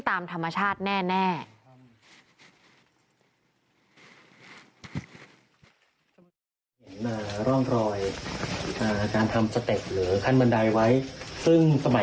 ตามธรรมชาติแน่